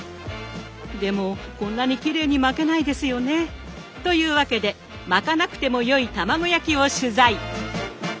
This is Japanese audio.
でもこんなにきれいに巻けないですよね。というわけで巻かなくても良い卵焼きを取材。